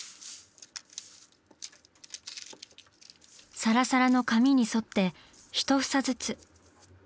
サラサラの髪に沿って一房ずつ。